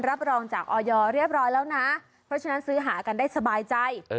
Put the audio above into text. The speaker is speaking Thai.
รับรองจากออยเรียบร้อยแล้วนะเพราะฉะนั้นซื้อหากันได้สบายใจ